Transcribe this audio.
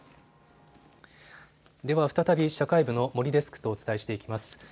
では再び社会部の森デスクとお伝えしていきます。